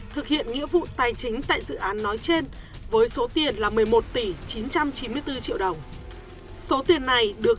thực hiện nghĩa vụ tài chính tại dự án nói trên với số tiền là một mươi một tỷ chín trăm chín mươi bốn triệu đồng số tiền này được